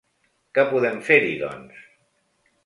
¿Què podem fer-hi, doncs?